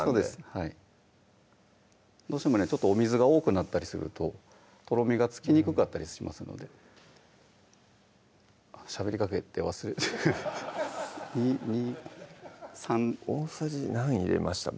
はいどうしてもねお水が多くなったりするととろみが付きにくかったりしますのでしゃべりかけて忘れて２・３大さじ何入れました？